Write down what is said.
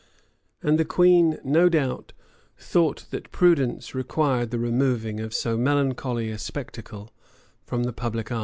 [] And the queen no doubt, thought that prudence required the removing of so melancholy a spectacle from the public eye.